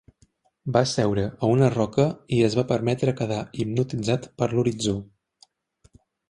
Va seure a una roca i es va permetre quedar hipnotitzat per l'horitzó.